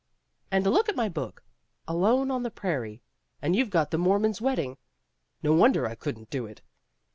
And look at my book, Alone on the Prairie; and you've got The Mormon's Wedding. No wonder I couldn't do it."